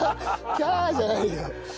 「キャー」じゃないよ。